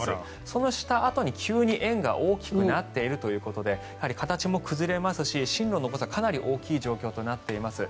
そうしたあとに、急に円が大きくなっているということでやはり形も崩れますし進路の誤差がかなり大きい状況となっています。